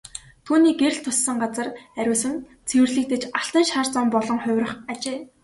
Түүний гэрэл туссан газар ариусан цэвэрлэгдэж алтан шар зам болон хувирах ажээ.